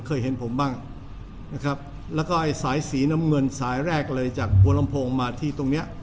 เคยเห็นผมบ้างนะครับแล้วก็ไอ้สายสีน้ำเงินสายแรกเลยจากบัวลำโพงมาที่ตรงเนี้ย